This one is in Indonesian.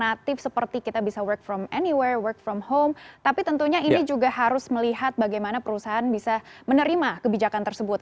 ada alternatif seperti kita bisa bekerja dari mana saja bekerja dari rumah tapi tentunya ini juga harus melihat bagaimana perusahaan bisa menerima kebijakan tersebut